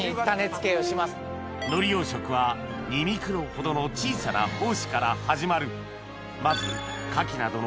海苔養殖は２ミクロほどの小さな胞子から始まる